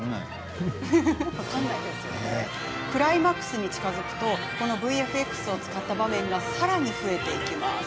クライマックスに近づくとＶＦＸを使った場面がさらに増えていきます。